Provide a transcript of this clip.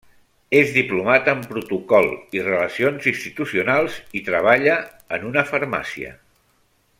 És diplomat en Protocol i Relacions Institucionals i treballa en una farmàcia.